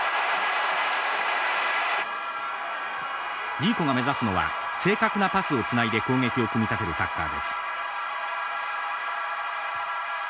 ジーコが目指すのは正確なパスをつないで攻撃を組み立てるサッカーです。